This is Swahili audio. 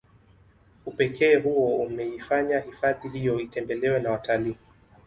Upekee huo umeifanya hifahdi hiyo itembelewe na watalii